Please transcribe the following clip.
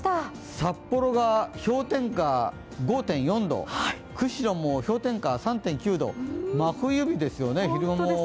札幌が氷点下５．４度、釧路も氷点下３．９度、真冬日ですよね。